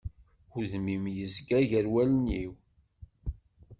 Udem-im yezga gar wallen-iw.